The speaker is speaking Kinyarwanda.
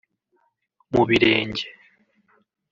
mu birenge